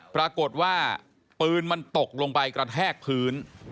ปรากฏว่าปืนมันตกลงไปกระแทกพื้น